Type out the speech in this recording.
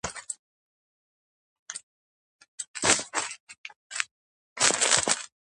იყო ოქტომბრის რევოლუციის მოწინააღმდეგე.